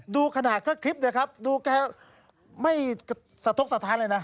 ดูขนาดก็คลิปนะครับดูแกไม่สะทกสัตว์ท้ายเลยนะ